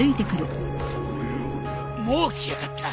もう来やがった。